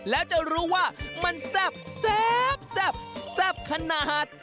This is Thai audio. แล้วจะรู้ว่ามันแซ่บแซ่บแซ่บขนาด